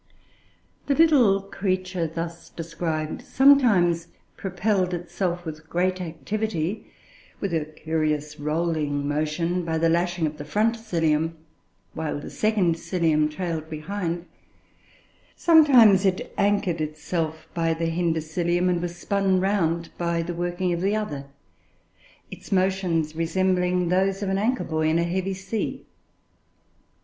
The little creature thus described sometimes propelled itself with great activity, with a curious rolling motion, by the lashing of the front cilium, while the second cilium trailed behind; sometimes it anchored itself by the hinder cilium and was spun round by the working of the other, its motions resembling those of an anchor buoy in a heavy sea.